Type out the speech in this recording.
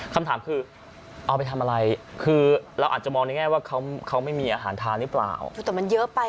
คำถามคือเอาไปทำอะไรคือเราอาจจะมองในแง่ว่าเขาไม่มีอาหารทานหรือเปล่าแต่มันเยอะไป